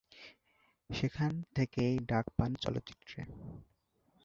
সেখান থেকেই ডাক পান চলচ্চিত্রে।